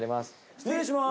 失礼します。